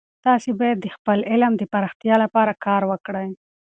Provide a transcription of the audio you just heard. تاسې باید د خپل علم د پراختیا لپاره کار وکړئ.